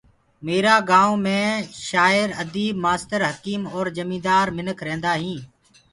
ميرآ گايونٚ مي شآير اديب مآستر حڪيم اور جيهندار منک رهيندآ هينٚ